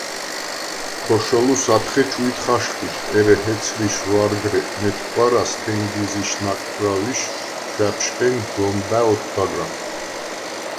ხოშოლუს ათხე ჩუიდ ხაშყიდხ, ერე ჰეცრიშ ვარგრე მეთხვარას თენგიზიშ ნაკრავიშ ჩვა̈ბშხენ დომბა̈ ოთდაგრახ.